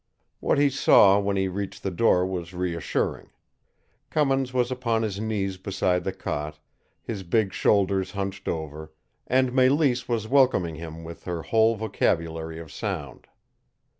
What he saw when he reached the door was reassuring. Cummins was upon his knees beside the cot, his big shoulders hunched over, and Mélisse was welcoming him with her whole vocabulary of sound.